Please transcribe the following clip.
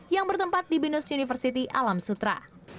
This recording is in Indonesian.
yang bertempat di binus university alam sutra